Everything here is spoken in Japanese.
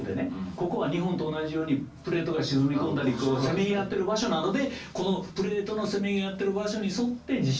ここは日本と同じようにプレートが沈み込んだりこうせめぎ合ってる場所なのでこのプレートのせめぎ合ってる場所に沿って地震が多いんですね。